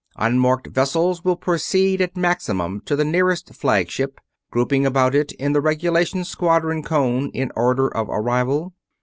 Unmarked vessels will proceed at maximum to the nearest flagship, grouping about it in the regulation squadron cone in order of arrival.